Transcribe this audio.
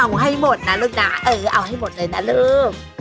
เอาให้หมดนะลูกนะเออเอาให้หมดเลยนะลูก